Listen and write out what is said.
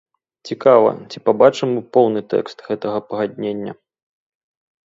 Цікава, ці пабачым мы поўны тэкст гэтага пагаднення?